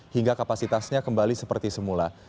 hingga kapasitasnya kembali seperti semula